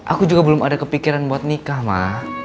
aku juga belum ada kepikiran buat nikah mah